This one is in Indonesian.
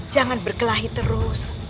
jangan berkelahi terus